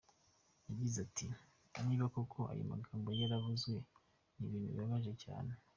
Yagize ati “Niba koko ayo magambo yaravuzwe, ni ibintu bibabaje cyane.